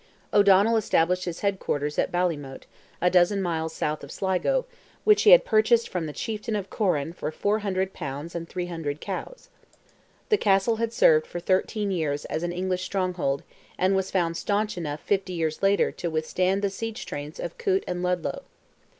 O'Donnell established his head quarters at Ballymoate, a dozen miles south of Sligo, which he had purchased from the chieftain of Corran for 400 pounds and 300 cows. The castle had served for thirteen years as an English stronghold, and was found staunch enough fifty years later to withstand the siege trains of Coote and Ludlow.